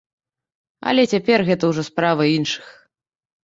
Але цяпер гэта ўжо справа іншых.